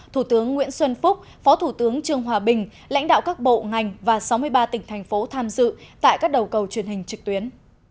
thủ tướng nguyễn xuân phúc phó thủ tướng trương hòa bình lãnh đạo các bộ ngành và sáu mươi ba tỉnh thành phố tham dự tại các đầu cầu truyền hình trực tuyến